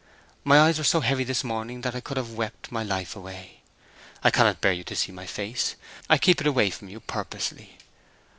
My eyes were so heavy this morning that I could have wept my life away. I cannot bear you to see my face; I keep it away from you purposely.